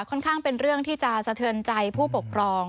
ค่อนข้างเป็นเรื่องที่จะสะเทินใจผู้ปกครอง